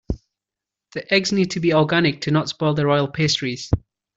The eggs need to be organic to not spoil the royal pastries.